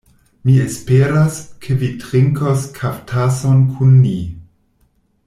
Mi esperas, ke vi trinkos kaftason kun ni.